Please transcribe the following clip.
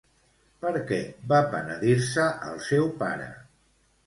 Per què va penedir-se el seu pare?